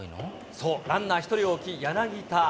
そう、ランナー１人を置き柳田。